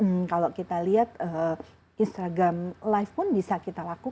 hmm kalau kita lihat instagram live pun bisa kita lakukan